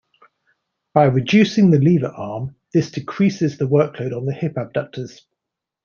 By reducing the lever arm, this decreases the work load on the hip abductors.